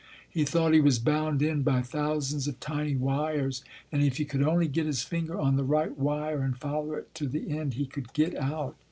He thought he was bound in by thousands of tiny wires, and if he could only get his finger on the right wire and follow it to the end, he could get out.